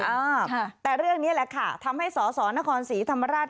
อ่าค่ะแต่เรื่องนี้แหละค่ะทำให้สอสอนครศรีธรรมราช